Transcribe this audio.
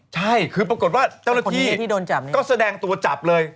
ใช่คือปรากฏว่าเจ้าหน้าที่ก็แสดงตัวจับเลย